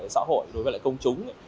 xã hội đối với lại công chúng